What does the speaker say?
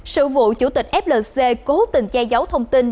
sự vụ chủ tịch flc cố tình che giấu thông tin